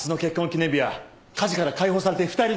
記念日は家事から解放されて２人で。